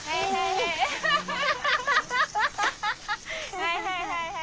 はいはいはいはい。